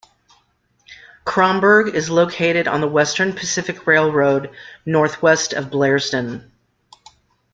Cromberg is located on the Western Pacific Railroad, northwest of Blairsden.